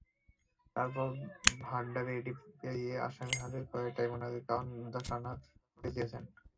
তারপরও ডান্ডাবেড়ি পরিয়ে আসামি হাজির করায় ট্রাইব্যুনাল কারণ দর্শানোর নোটিশ দিয়েছেন।